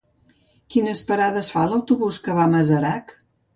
Quines parades fa l'autobús que va a Masarac?